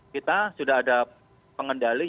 kita sudah ada pengendalian